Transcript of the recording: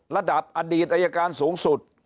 ระดับอดีตอายการสูงสุด